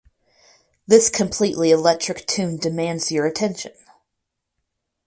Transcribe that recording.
This completely electric tune demands your attention!